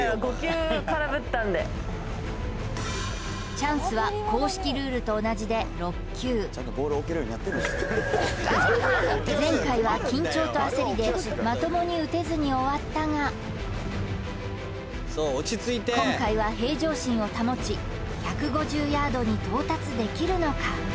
チャンスは公式ルールと同じで６球前回は緊張と焦りでまともに打てずに終わったが今回は平常心を保ち１５０ヤードに到達できるのか？